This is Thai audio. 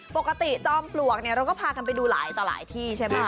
จอมปลวกเนี่ยเราก็พากันไปดูหลายต่อหลายที่ใช่ไหม